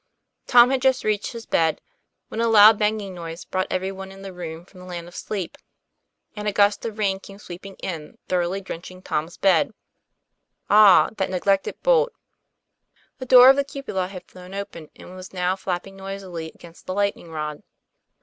Tom had just reached his bed, when a loud bang 8 114 TOM PLAYFAIR. ing noise brought every one in the room from the land of sleep; and a gust of rain came sweeping in, thoroughly drenching Tom's bed. Ah! that ne glected bolt. The door of the cupola had flown open, and was now flapping noisily against the lightning rod.